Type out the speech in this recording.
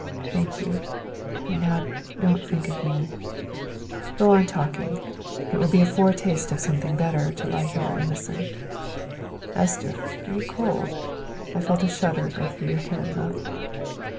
"Thank you; and now don't think of me. Go on talking; it will be a foretaste of something better to lie here and listen. Esther, are you cold? I felt a shudder go through your hand, love.